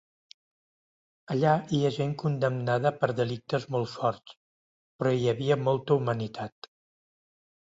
Allà hi ha gent condemnada per delictes molt forts, però hi havia molta humanitat.